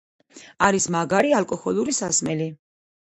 არის მაგარი ალკოჰოლური სასმელი.